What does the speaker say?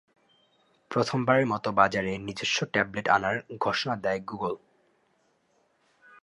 প্রথমবারের মত বাজারে নিজস্ব ট্যাবলেট আনার ঘোষণা দেই গুগল।